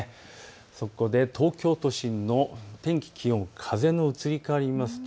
そこで東京都心の天気、気温、風の移り変わりを見ます。